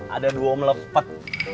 ada dua melepet